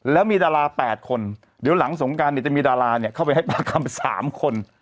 แล้วมีดารา๘คนเดี๋ยวหลังสงการจะมีดาราเข้าไปให้ปากคำ๓คน